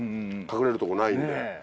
隠れるとこないんで。ねぇ。